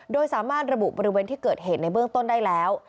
โดยสามารถระบุบริเวณที่เกิดเหตุในเบื้องต้นได้แล้ว